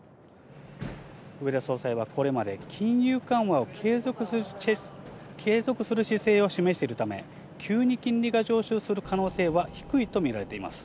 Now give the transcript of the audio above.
植田総裁はこれまで金融緩和を継続する姿勢を示しているため、急に金利が上昇する可能性は低いと見られています。